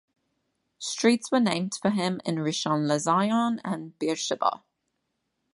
Streets were named for him in Rishon LeZion and Beersheba.